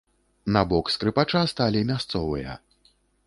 На бок скрыпача сталі мясцовыя.